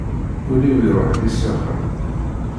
Ul-iw iruḥ d isyaxen.